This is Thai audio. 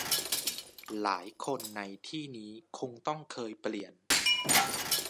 หลายคนในที่นี้คงต้องเคยเปลี่ยน